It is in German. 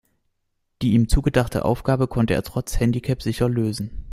Die ihm zugedachte Aufgabe konnte er trotz Handicap sicher lösen.